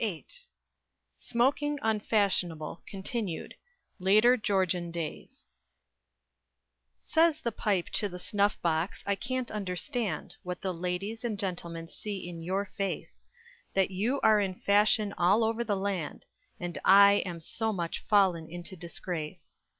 VIII SMOKING UNFASHIONABLE (continued): LATER GEORGIAN DAYS Says the Pipe to the Snuff box, I can't understand What the ladies and gentlemen see in your face, That you are in fashion all over the land, And I am so much fallen into disgrace.